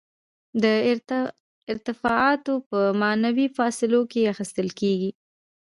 دا ارتفاعات په معینو فاصلو کې اخیستل کیږي